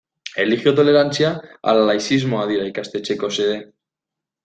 Erlijio tolerantzia ala laizismoa dira ikastetxeetako xede?